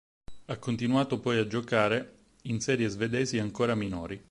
Ha continuato poi a giocare in serie svedesi ancora minori.